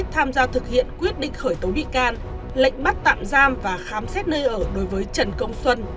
tham gia thực hiện quyết định khởi tố bị can lệnh bắt tạm giam và khám xét nơi ở đối với trần công xuân